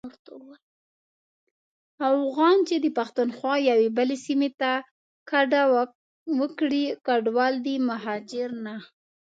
افغان چي د پښتونخوا یوې بلي سيمي ته کډه وکړي کډوال دی مهاجر نه.